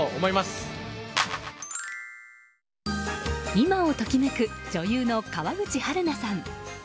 今を時めく女優の川口春奈さん。